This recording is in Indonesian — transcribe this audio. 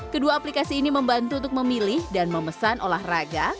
kedua aplikasi ini membantu untuk memilih dan memesan olahraga